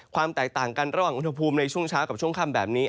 แตกต่างกันระหว่างอุณหภูมิในช่วงเช้ากับช่วงค่ำแบบนี้